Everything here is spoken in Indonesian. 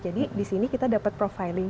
jadi disini kita dapat profiling